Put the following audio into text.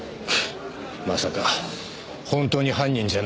まさか本当に犯人じゃないのか？